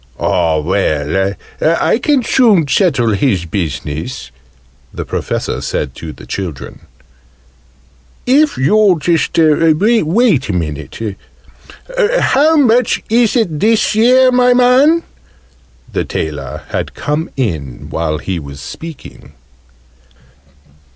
"Ah, well, I can soon settle his business," the Professor said to the children, "if you'll just wait a minute. How much is it, this year, my man?" The tailor had come in while he was speaking.